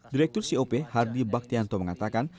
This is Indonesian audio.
direktur cop hardy baktianto mengatakan